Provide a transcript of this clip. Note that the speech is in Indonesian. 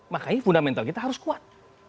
makanya fundamental kita harus kuat